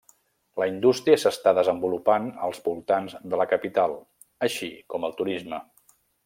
La indústria s'està desenvolupant als voltants de la capital, així com el turisme.